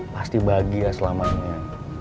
pasti bahagia selamanya